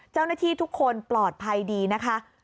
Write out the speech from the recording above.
เจ้าหน้าที่ทุกคนปลอดภัยดีนะคะ